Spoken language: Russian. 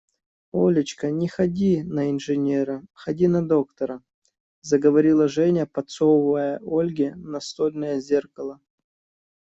Олечка, не ходи на инженера, ходи на доктора, – заговорила Женя, подсовывая Ольге настольное зеркало.